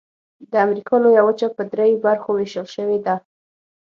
د امریکا لویه وچه په درې برخو ویشل شوې ده.